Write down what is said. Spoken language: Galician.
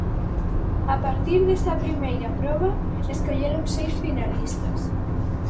A partir desa primeira proba escolleron seis finalistas.